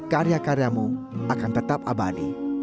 karya karyamu akan tetap abadi